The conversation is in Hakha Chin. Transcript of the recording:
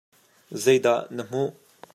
Zei dah na hmuh?